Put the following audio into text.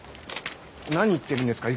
何言ってるんですか？